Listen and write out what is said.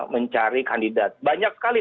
mencari kandidat banyak sekali